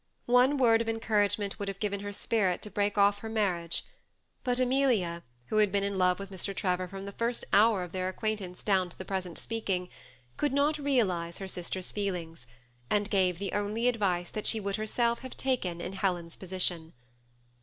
One word of encouragement would have given her spirit to break off her marriage ; but Amelia, who had been in love with Mr. Trevor from the first hour of their acquaintance down to the present speaking, could not realize her sister's feelings, and gave the only advice that she would herself have taken in Helen's position.